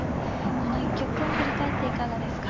この一局を振り返っていかがですか。